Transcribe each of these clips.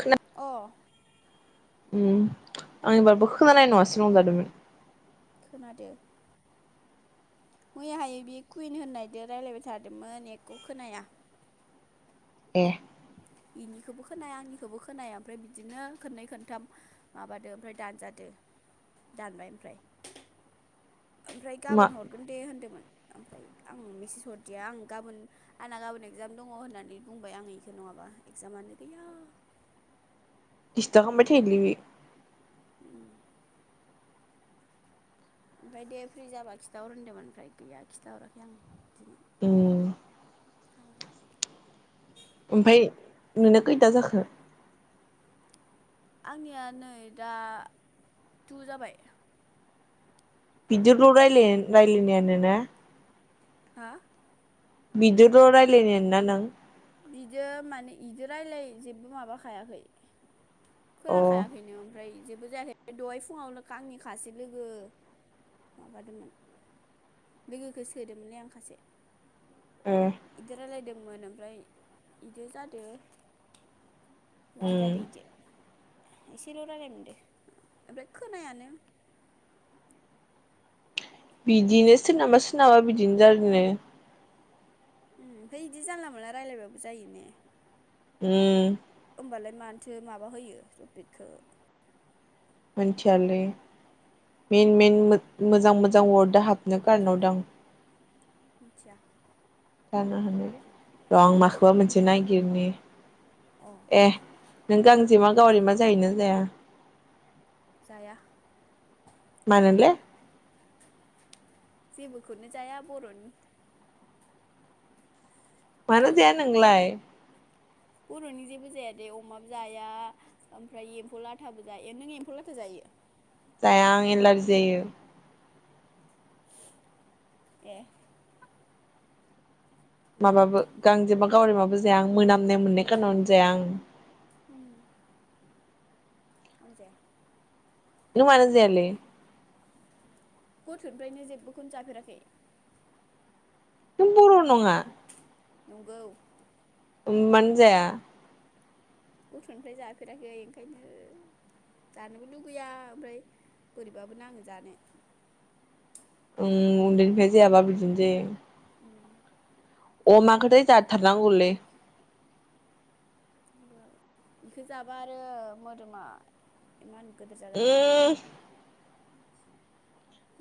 खोना अ। उम आं एबारबो खोनानाय नङासो नंलायदोंमोन। खोनादो। मैयाहाय बे कुइन होननायदो रायलायबाय थादोंमोन एकख खोनाया। ए। बेनिखौबो खोनाया आंनिखौबो खोनाया ओमफ्राय बिदिनो खननै खनथाम माबादो ओमफ्राय दानजादो दानबाय ओमफ्राय ओमफ्राय मा गाबोन हरगोन दे होन्दोंमोन आं मेसेज हरदिया आं गाबोन आंना गाबोन एगजाम दङ होननानै बुंबाय आं इखौ नङाबा इगजामानो गैया। इस्थ खालामबाय थैलि बे ओमफ्राय दे फ्रि जाबा खिथाहर होनदोंमोन ओमफ्राय गैया खिथाहराखै आं दिनै उम थबाय! ओमफाय नोंना खैथा जाखो। आंनिया नै दा टु जाबाय। बिदिल' रायलाय रायलायनायानो ना। हा। बिदिल' रायलायनाया नों। बिदो माने बिजों रायलाय जेबो माबाखायाखै अ खोनाखायाखैनो ओमफ्राय। जेबो जायाखै दहाय फुङाव आंनि खासे लोगो माबादोंमोन लोगोखौ सोदोंमोनलै आं सासे ए इदोरालायदो। बुंंमोन ओमफ्राय बिदि जादो अवान उम जादो इदो एसेल' रायलायमोनदों ओमफ्राय खोनायानो बिदिनो सोरनाबा सोरनाबा बिदिनो जादोनो। ओमफाय बिदि जानला मोनला रायलायबाबो जायो ने। उम। होमबालाय मानोथो माबा होयो थपिकखौ मोनथियालै मेन मेन मोजां मोजां वार्डा हाबनो कारनाव दां आ। मिथिया जानो हानाय र' आं माखौबा मोनसे नायगिरनि अ ए। नों गांजेमा गावरेमा जायोना जाया जाया। मानो ले। जेबोखौनो जाया बर'नि मानो जाया नोंलाय। बर'नि जेबो जाया दे अमाबो जाया ओमफ्राय एम्फौ लाथाबो जाया। नों एम्फौ लाथा जायो? जाया आं एलारजि जायो। ए माबाबो गांजेबा गावरेमाबो जाया आं मोनामनाय मोननाय खारनावनो जाया आं। उम आंबो जाया। नों मानो जायालै? गथ'निफ्रायनो जेबबोखौनो जाफेराखै? नों बर' नङा? नंगौ ओम मानो जाया? गथ'निफ्राय जाफेराखै ओंखायनो जानोबो लुगैया ओमफ्राय बोरैबाबो नाङो जानो। उम उन्दैनिफ्राय जायाबा बिदिनो जायो। अमाखौथाय जाथार नांगौलै। बेखौ जाबा आरो मोदोमा मा होनो गोदोर जागोन आंनिआ। उम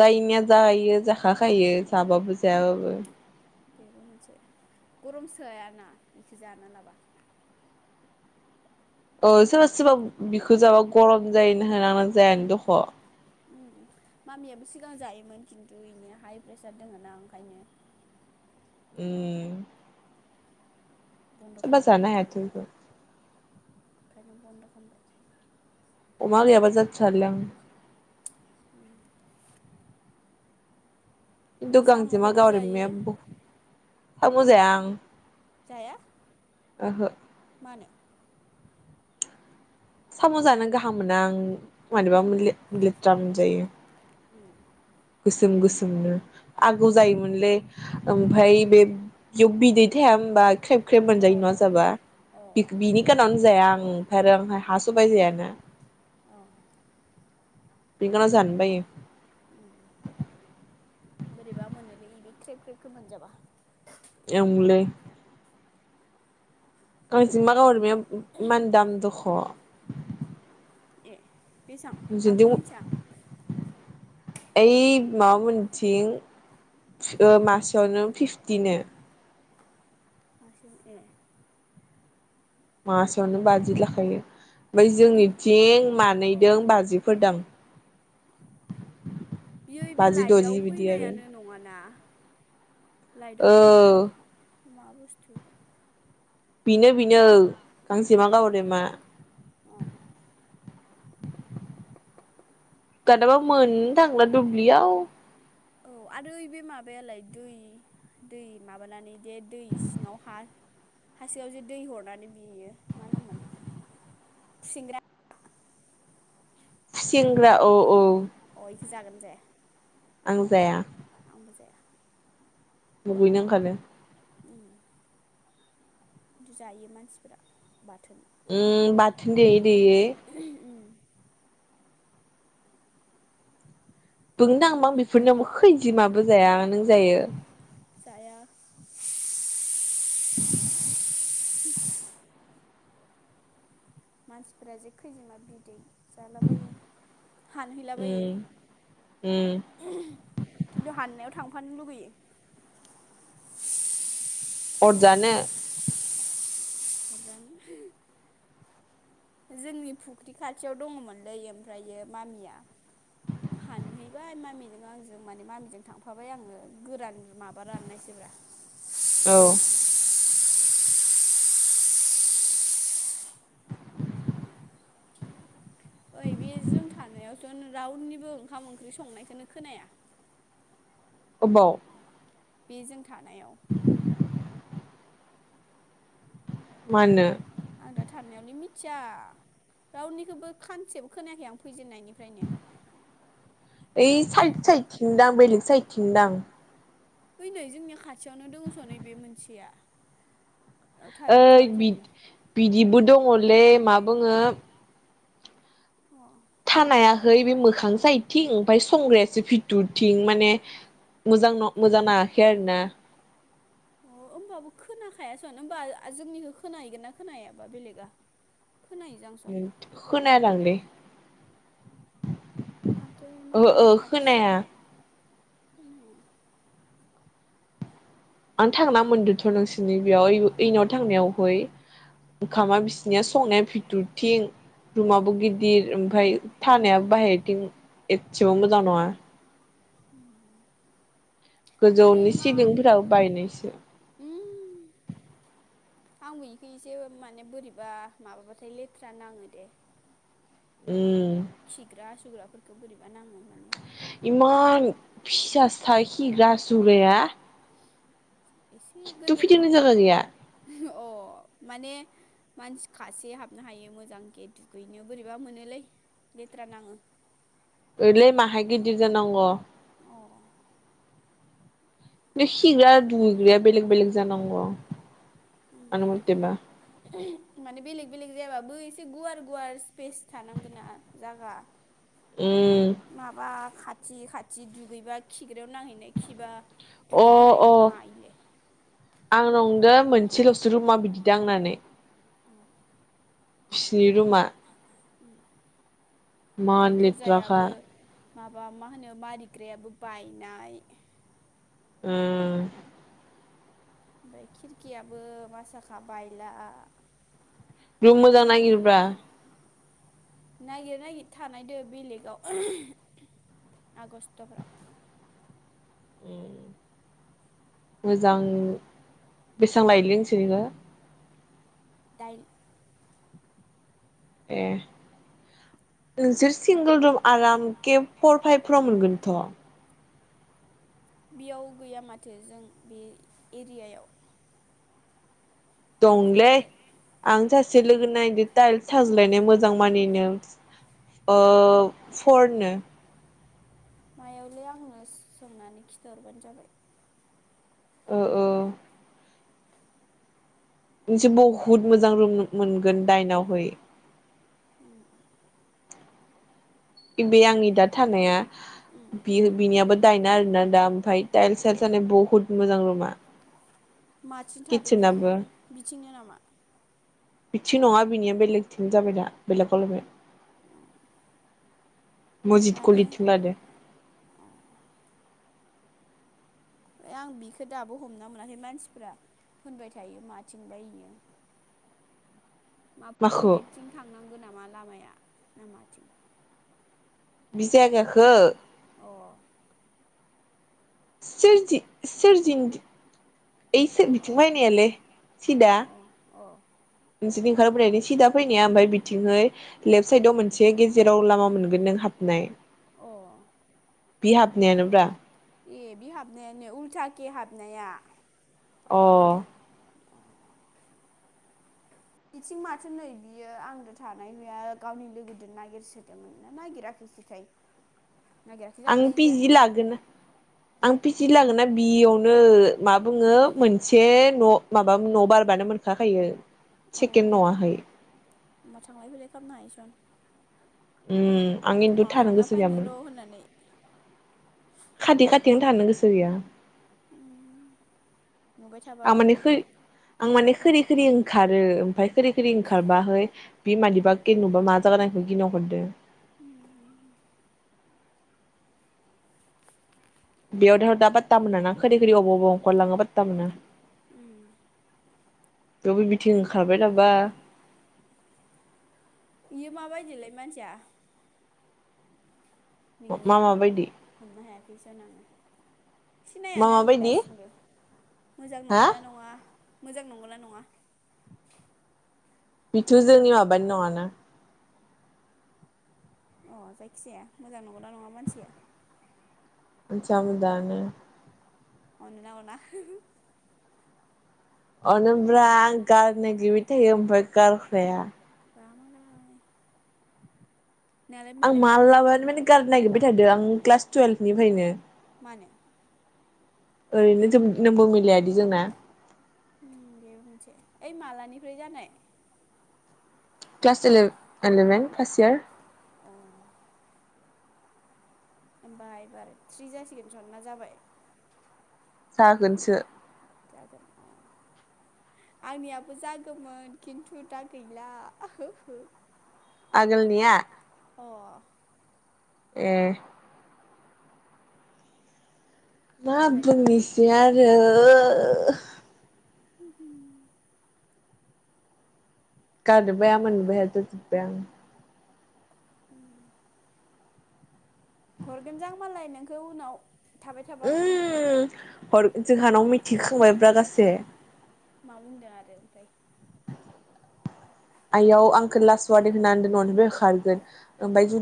जायनिया जायो जाखाखायो। जाबाबो जायाबाबो। बेबो मोनसे गरम सोयाना बेखौ जाना लाबा। औ सोरबा सोरबा बिखो जाबा गरम जायोनो होनो आंना जायानो दख' उम मामियाबो सिगां जायोमोन खिन्थु इनिया हाइ प्रेसार दोङ ना ओंखायनो ए बन्द' सोरबा खालामबाय जानो हायाथ' बिखौ ओंखायनो बन्द' खालामबाय। अमा गैयाबा जाथ्रालै आं। खिन्थु गांजेमा साम'खौथ' जायो गावरेमाया साम' जाया आं। जाया ओहो मानो? साम' जानो गाहाम मोना आं मारैबा मोनोलै लेथ्रा मोनजायो। उम गोसोम गोसोमनो आगौ जायोमोनलै अ ओमफ्राय बे याव बिदै थाया होमबा ख्रेब ख्रेब मोनजायो ना जाबा अ बि-बिनि खारनावनो जाया आं आरो ओमफाय हा सबाय जायाना। औ बिखारनाव जानो बायो। बोरैबा मोनोलै बे ख्रेब ख्रेबखौ मोनजाबा। ओंलै गांजेमा गावस्रानाय इमान दाम दख' ए बेसां आंथ' जोंथिं मिथिया। ओइ माबा मोनथिं ओ मासेयावनो फिफ्टिनो मासेयाव ए मासेयावनो बाजि लाखायो। ओमफाय बि जोंनिथिं अ मानैदों बाजिफोर दाम बियो बे बाजि लाइटआव द'जि बिदि आरो। फैनायानो नङाना लाइटआव फैनाया औ मा बुस्थु? बिनो नो गांजेमा अ गावरेमा। अ दानाबा मोननो थांला दुब्लियाव। औ आरो बे माबायालाय दै दै माबानानै दे दै सिङाव हा हासेङाव जे दै हरनानै बियो मा नाममोन! खुसेंग्रा खुसिंग्रा औ औ [inaudible] अ जागोन जाया? आं जाया। [inaudible] मुगैनो ओंखारो। खिन्थु जायो मानसिफोरा बाथोन। उम बाथोन देयो बेयो बुंनो नथांबा आं बेफोरना खैजिमाबो जाया। नों जायो? जाया [inaudible] [inaudible] मानसिफोरा जे खैजोमा बिदै जालाबायो हानहैलाबायो उम उम खिन्थु हाननायाव थां फानो लुगैयो। अरजानो? जोंनि फुख्रि खाथियाव दङमोनलै ओमफ्रायो मामिया हानहैबाय मामिजों आंजों माने मामिजों थांफाबाय आङो गोरान माबा राननायसोब्रा औ ओइ बे जों थानायावथ' रावनिबो ओंखाम ओंख्रि संनायखोनो खोनाया। अबाव? बे जों थानायाव मानो? आं दा थानायावनो मिथिया रावनिखौबो खानसेबो खोनायाखै आं फैजेननायनि बै है साइद साइदथिंदां बेलेग सायथिंदां ओइ नै जोंनिया खाथियावनो दङस' नै बे मोनसेया बेयाव थाबाय ओइ थाबाय बिद थायो बिदिबो दङ। ले मा बुङो। अ थानायाहै बे मोखां जाय थिं ओमफाय संग्रायासो फिथुर थिं माने मोजां न मोजां नाङाखै आरोना अ होनोमबाबो खोनाखायासनो होमबा जोंनिखौ खोनाहैगोन ना खोन हायाबा बेलेगा खोनाहैजांसन खनाया दांलै माथो ओहो इमान ओ खोनाया खाथि [unintelligible] आं थांना मोन्दोंथ' नोंसिरनि बेयाव ऐ नाव थांनायावहै ओंखामा बिसिनिया संनाया भिथुरथिं अ रुमाबो गिदिर ओमफफ्राय थानाया बाहेरथिं एसेबो मोजां नङा [inaudible] आरो गोजौनि इमान सिलिंफोराबो बायनायसो उम आंबो इखौ इसे माने बोरैबा माबाबाथाय लेथ्रा नाङो दे उम खिग्रा हासुग्रा फोरखो बोरैबा नाङो। माने इमान फिसा सा खिग्रा हासुग्राया एसे खुथु'' गोदोर फिदिंनो जागा गैया। अ माने मानसि खासे हाबनो हायो मोजांखे दुगैनो बोरैबा मोनोलै लेथ्रा नाङो। ओलै माहाय गिरदिर जानांग' अ बे खिग्रा दुग्राया बेलेग बेलग जानांगौ आंनि मथेबा ओम माने बेलग बेलेग जायाबाबो एसे गुवार गुवार स्पेस थानांगोनना जागा उम माबा खा थि खाथि दुगैबा खि खिग्रायाव नांहैनाय खिबा अ दुहैनो हायै अ मा इलाय थिलौ सेराव मा बिदि दांनानै [inaudible] बिसिनि रुमा ओम इमान लेथ्राखा माबा मा होनो मारिग्रायाबो बायनाय। ओ ओमफ्राय खिरखियाबो मासाखा बायला रुम मोजां नागिर‌ ब्रा। नागिर नागिर थानायदो बेलेगाव आगस्टफ्राव ओम मोजां। बेसां लायलै नोंसिनिखो? दाइन ए। नोंसोर सिंगोल रुम आराम के फर फाइभफोराव मोनगोनथ' बेयाव गैया माथो जों बे एरिआव दंलै आं सासे लोगो नायदो थाइल्स साज्लायनाय मोजां मोजां मानिनो फरनो मायावलै आंनो सोंनानै खिथरबानो जाबाय। ओ ओ। मोनसे बहुद मोजां रुम मो-मोनगोन दा एनावहै। ओम। बे आंनि दा थानाया उम बियो बिनियाबो दायन आरोना दा ओमफ्राय टाइल्स साइल्स जानाय बहुत मोजां रुमा। माथिं थादों इयो किटसेनाबो बिथिंनो नामा? बिथिं नङा बिनिया बेलेगथिंनो जाबाय दा बेलेग आव लाबाइ। मजिद माने खलिथिं लादो। अ ए आं बिखौ दाबो हमना मोनाखै मानसिफ्रा होनबाय थायो माथिंबाय इयो? माफुन माखौ गेटथिं थांनांगौ नामा लामाया? ना माथिं? बि जागाखो? अ। सोरजि सोरजिनदि ओइसो अ बिथिं फायनायालै सिदा अ अ नोंसोरनि [unintelligible] सिदा फैनाया ओमफ्राय बिथिंहै लेफ्ट साइदआव मोनसे गेजेराव लामा मोनगोन नों हाबनाय। अ। बि हाबनायानोब्रा। ए बे हाबनायानो उल्था खै हाबनाया? अ। बिथिं माथो नै बियो आंदो थानाय हैया गावनि लोगोदों नागिरसोदोंमोन ना नागिराखैसैथाय। आं पि जि लागोन आं पिसि लागोन ना बियावनो मा बुङो मोनसे न' माबा न' बारबानो मोनखाखायो। औ सेकेणड न'आहाय होमबा थांलाय फैलाय खालामनो हायसन? उम आं खिन्थु थानो थांना गोसो फैनो गैयामोन। र' होननानै खाथि खाथियावनो थानो गोसो गैया। नुबाय थाबा आं माने खो आं माने अ खोरि खोरि ओंखारो ओमफ्राय खोरि खोरि ओंखारबाहाय बे उम मादिबाके नुबा मा जानांगो? बिदि नंहरदो। उम। बेयावथ' दा पाट्टा मोनाना खोरि खोरि अबाव अबाव ओंखारलाङो पाट्टा मोना। उ। थेवबो बिथिं ओंखारबाय थाबा बियो माबायदिलाय मानसिया? मिनिया मामा बायदि हमना हाया फैसा नाङो। सिनायानो मामा आङो बायदि दासिमबो मोजां हा नंगौना नङा? मोजां नंगौना नङा? बेथ' जोंनि माबानि नङाना अ जायखिजाया मोजां नंगौना नङा मानसिया मोनथिया आं दानो अनोना अना? अनोब्रा आं गारनो नागिबाय थायो ओमफ्राय गारखाया बा मालाय। नोंहालाय आं मानो गारनो मालानिफ्रायनो गारनो नागिरबाय थादो आं क्लास टुयेल्भनिफ्रायनो मानो? ओरैनो ज नोंबो मिलायादि जोंना बेबो मोनसे ओइ मालानिफ्राय जानाय? Class eleven eleven first year अ होमबा एबार थ्रि जासिगोन सन ना जाबाय जागोनसो जागोन अ आंनियाबो जागौमोन खिन्थु दा गैला आगोलनिया? ओमफ्राय ए मा बुंनिसै आरो गारनोबो हाया मोननोबो हाया जाजोब्बाय आं। उम। हरगोन जां मालाय नोंखौ उनाव थाबाय थाबा। उम हर जोंहानाव मिथिखोबायब्रा गासे मा बुंदों आरो ओमफ्राय? आयाव आंखौ लास वारनिं होनानै दोनदोनो ननिफ्राय होखारगोन ओमफ्राय जु